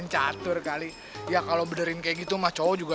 jangan berdijet ah